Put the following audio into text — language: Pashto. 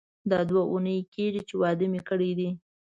دا دوه اونۍ کیږي چې واده مې کړی دی.